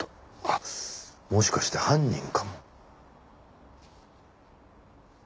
あっもしかして犯人かも。